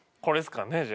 これですかね